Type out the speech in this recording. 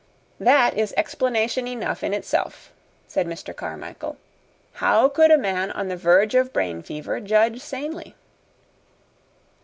"That is explanation enough in itself," said Mr. Carmichael. "How could a man on the verge of brain fever judge sanely!"